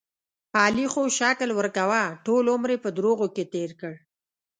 د علي خو شکل ورکوه، ټول عمر یې په دروغو کې تېر کړ.